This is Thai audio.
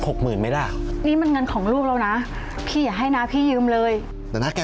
ตำแหน่งแรก